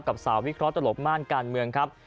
กับสาววิเคราะห์ตลบม่านการเมืองครับ